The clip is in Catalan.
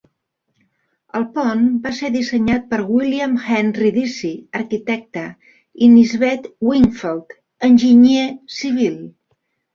El pont va ser dissenyat per William Henry Deacy, arquitecte i Nisbet Wingfield, enginyer civil.